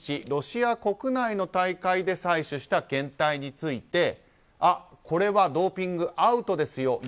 ロシア国内の大会で採取した検体についてこれはドーピング、アウトですよ